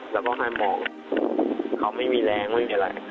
แล้วก็ให้บอกเขาไม่มีแรงไม่มีอะไร